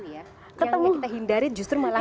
yang kita hindari justru malah